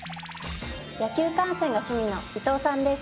野球観戦が趣味の伊藤さんです。